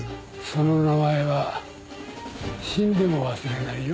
その名前は死んでも忘れないよ。